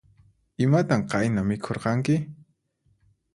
Imatan qayna mikhurqanki?